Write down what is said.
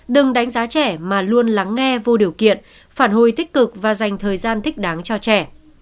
đừng đánh giá trẻ mà luôn lắng nghe vô điều kiện phản hồi tích cực và dành thời gian thích đáng cho trẻ